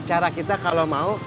cara kita kalau mau